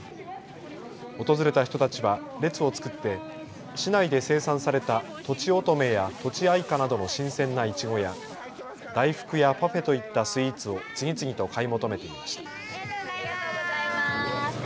訪れた人たちは列を作って市内で生産されたとちおとめやとちあいかなどの新鮮ないちごや大福やパフェといったスイーツを次々と買い求めていました。